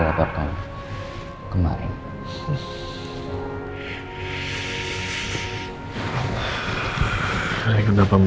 silahkan mbak mbak